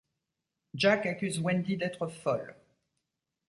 Jack accuse Wendy d’être folle.